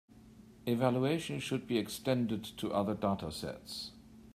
Evaluation should be extended to other datasets.